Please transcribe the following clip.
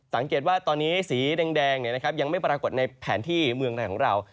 สังเกตว่าตอนนี้สีแดงเนี่ยนะครับยังไม่ปรากฏในแผนที่เมืองแหล่งของเรา